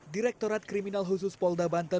direktorat kriminal khusus polda banten